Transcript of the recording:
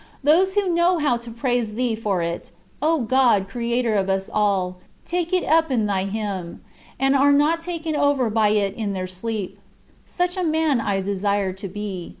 Those who know how to praise thee for it, "O God, Creator of Us All," take it up in thy hymn, and are not taken over by it in their sleep. Such a man I desire to be.